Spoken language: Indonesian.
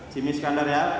jimmy skandar ya